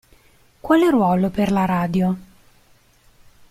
Quale ruolo per la radio?